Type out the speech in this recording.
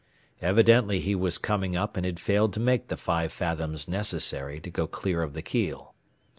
Evidently he was coming up and had failed to make the five fathoms necessary to go clear of the keel.